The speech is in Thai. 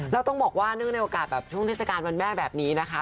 แล้วต้องบอกว่าเนื่องในโอกาสแบบช่วงเทศกาลวันแม่แบบนี้นะคะ